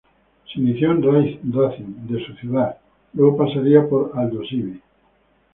Se inició en Racing de su ciudad, luego pasaría por Aldosivi.